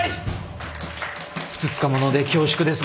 ふつつか者で恐縮ですが。